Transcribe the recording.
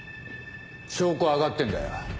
証拠は挙がってんだよ。